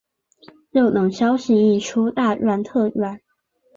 就等消息一出大赚特赚